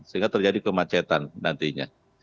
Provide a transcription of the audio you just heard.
sehingga terjadi kemacetan nantinya